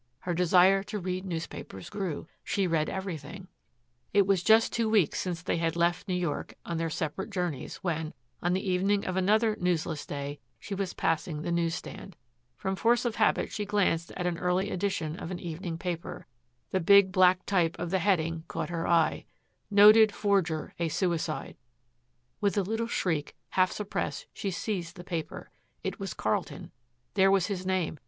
Her desire to read newspapers grew. She read everything. It was just two weeks since they had left New York on their separate journeys when, on the evening of another newsless day, she was passing the news stand. From force of habit she glanced at an early edition of an evening paper. The big black type of the heading caught her eye: NOTED FORGER A SUICIDE With a little shriek, half suppressed, she seized the paper. It was Carlton. There was his name.